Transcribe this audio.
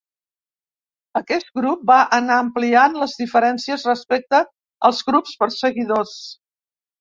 Aquest grup va anar ampliant les diferències respecte als grups perseguidors.